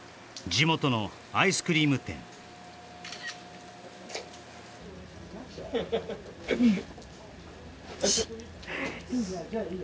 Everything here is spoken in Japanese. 地元のアイスクリーム店うん